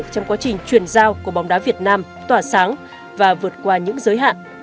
trong quá trình chuyển giao của bóng đá việt nam tỏa sáng và vượt qua những giới hạn